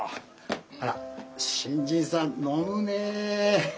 あら新人さん飲むね。